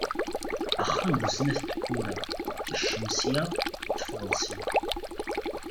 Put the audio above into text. Axxam bu snat n tebbura, ekcem sya, teffeɣeḍ sya!